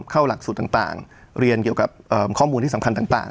เข้าหลักศูนย์ต่างต่างเรียนเกี่ยวกับเอ่อข้อมูลที่สัมพันธ์ต่างต่าง